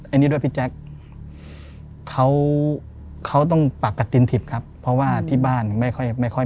ไอ้นี่ด้วยพี่แจ๊คเขาเขาต้องปากกระตินทิบครับเพราะว่าที่บ้านไม่ค่อย